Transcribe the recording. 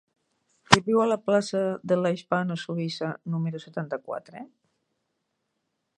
Qui viu a la plaça de la Hispano Suïssa número setanta-quatre?